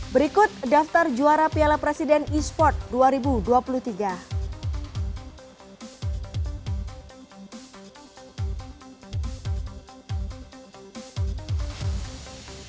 berikut daftar juara piala presiden e sport dua ribu dua puluh tiga